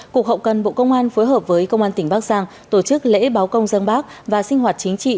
cục hậu cần bộ công an phối hợp với công an tỉnh bắc giang tổ chức lễ báo công dân bác và sinh hoạt chính trị